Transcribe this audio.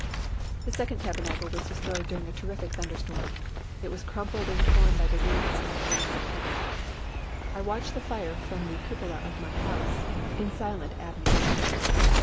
The second Tabernacle was destroyed during a terrific thunderstorm. It was crumpled and torn by the winds and the flames of heaven. I watched the fire from the cupola of my house in silent abnegation.